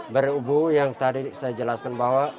berubuh yang tadi saya jelaskan bahwa